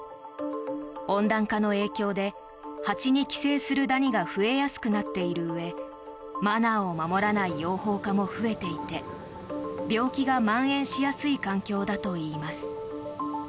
温暖化の影響で蜂に寄生するダニが増えやすくなっているうえマナーを守らない養蜂家も増えていて病気がまん延しやすい環境だといいます。